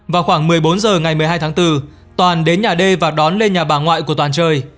vào khoảng một mươi bốn h ngày một mươi hai tháng bốn toàn đến nhà đê và đón lên nhà bà ngoại của toàn chơi